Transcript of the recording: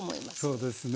そうですね。